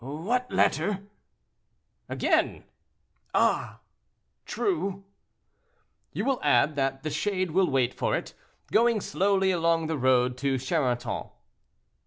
"What letter?" "Again!" "Ah! true." "You will add that the shade will wait for it, going slowly along the road to Charenton."